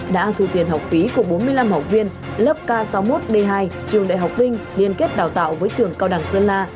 đã thu tiền học phí của bốn mươi năm học viên lớp k sáu mươi một d hai trường đại học vinh liên kết đào tạo với trường cao đẳng sơn la